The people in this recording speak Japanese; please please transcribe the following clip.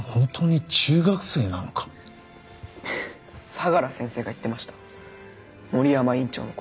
相良先生が言ってました森山院長の事。